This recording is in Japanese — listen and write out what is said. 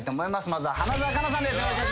まずは花澤香菜さんです。